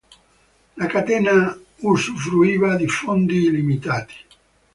La Catena usufruiva di fondi illimitati.